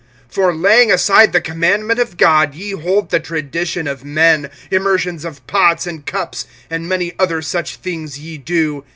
(8)For laying aside the commandment of God, ye hold the tradition of men, immersions of pots and cups; and many other such things ye do.